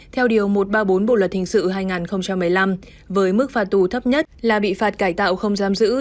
theo điều một trăm ba mươi bốn bộ luật hình sự hai nghìn một mươi năm với mức phạt tù thấp nhất là bị phạt cải tạo không giam giữ